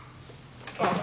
あっ。